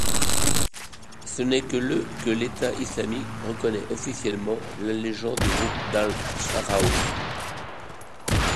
Ce n'est que le que l'État islamique reconnaît officiellement l'allégeance du groupe d'Al-Sahraoui.